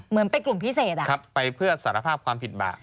เหมือนเป็นกลุ่มพิเศษไปเพื่อสารภาพความผิดบาป